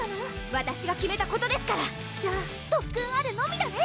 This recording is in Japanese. わたしが決めたことですからじゃあ特訓あるのみだね！